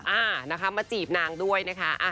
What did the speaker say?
อ่ามาจีบนางด้วยนะคะ